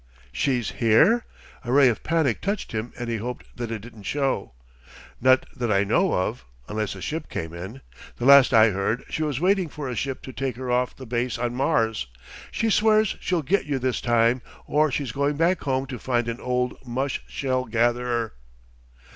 "She's here?" A ray of panic touched him and he hoped that it didn't show. "Not that I know of, unless a ship came in. The last I heard, she was waiting for a ship to take her off the base on Mars. She swears she'll get you this time, or she's going back home to find an old mushshell gatherer."